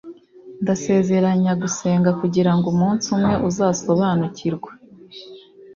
ndasezeranye gusenga kugirango umunsi umwe uzasobanukirwa